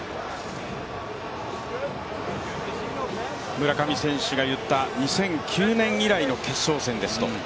村上選手が言った２００９年以来の決勝戦ですと。